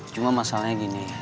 cuma masalahnya gini